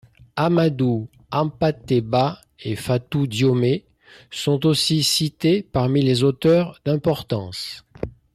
Amadou Hampâté Bâ et Fatou Diome sont aussi cités parmi les auteurs d'importance.